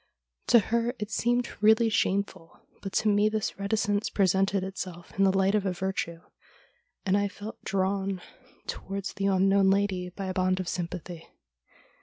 To her it seemed really shameful, but to me this reticence presented itself in the light of a virtue, and I felt drawn THE DREAM THAT CAME TRUE 217 towards the unknown lady by a bond of sympathy.